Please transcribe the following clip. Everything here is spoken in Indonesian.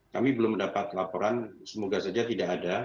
kami belum mendapat laporan semoga saja tidak ada